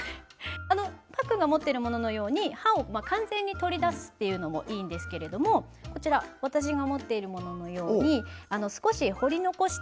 あのパックンが持ってるもののように歯を完全に取り出すっていうのもいいんですけれどもこちら私が持っているもののように少し掘り残して飾る。